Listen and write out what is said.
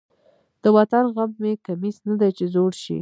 د وطن غم مې کمیس نه دی چې زوړ شي.